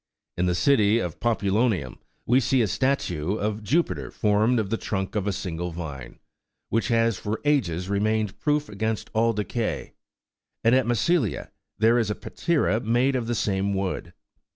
In the city of Popu lonium, we see a statue of , Jupiter formed of the trunk of a single vine, which has for ages remained proof against all decay ; and at Massilia, there is a patera made of the same wood.